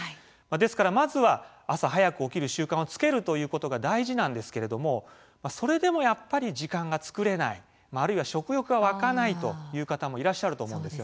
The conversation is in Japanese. ですから、まずは朝早く起きる習慣をつけるということが大事なんですけれどもそれでもやっぱり時間が作れないあるいは食欲が湧かないという方もいらっしゃると思うんですよ。